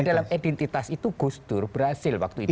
nah dalam identitas itu gustur berhasil waktu itu